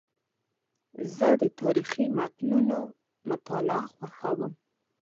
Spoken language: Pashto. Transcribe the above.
زه د تاریخي متونو مطالعه خوښوم.